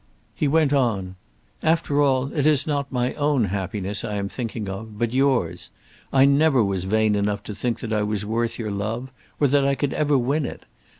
He went on: "After all, it is not my own happiness I am thinking of but yours. I never was vain enough to think that I was worth your love, or that I could ever win it.